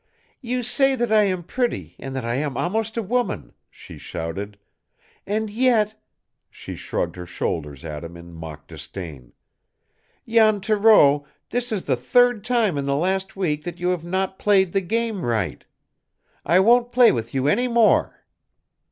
"You say that I am pretty, and that I am almost a woman," she pouted. "And yet " She shrugged her shoulders at him in mock disdain. "Jan Thoreau, this is the third time in the last week that you have not played the game right! I won't play with you any more!"